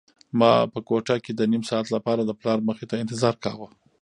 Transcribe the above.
ما په کوټه کې د نيم ساعت لپاره د پلار مخې ته انتظار کاوه.